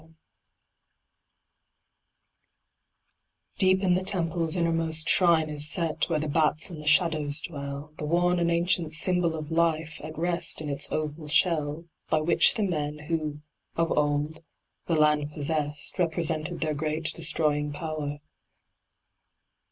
Deep in the Temple's innermost Shrine is set, Where the bats and shadows dwell, The worn and ancient Symbol of Life, at rest In its oval shell, By which the men, who, of old, the land possessed, Represented their Great Destroying Power.